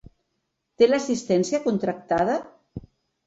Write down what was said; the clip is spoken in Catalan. Té l'assistència contractada?